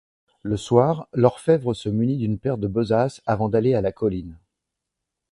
Le soir, l'orfèvre se munit d'une paire de besaces avant d'aller à la colline.